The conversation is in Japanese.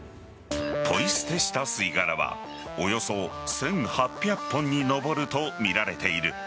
ポイ捨てした吸い殻はおよそ１８００本に上るとみられている。